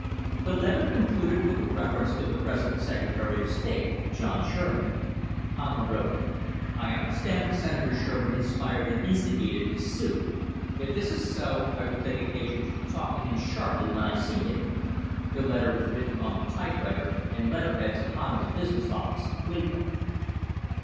The letter concluded with a reference to the present Secretary of State, John Sherman. Hanna wrote: " I understood that Senator Sherman inspired and instigated this suit. If this is so I will take occasion to talk to him sharply when I see him." The letter was written on the typewriter and letter heads of Banna's business office in Cleveland.